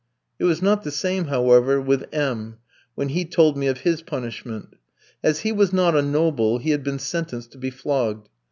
It was not the same, however, with M tçki, when he told me of his punishment. As he was not a noble, he had been sentenced to be flogged.